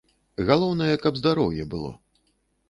Галоўнае, каб здароўе было.